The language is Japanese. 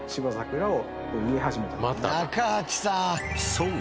［そう。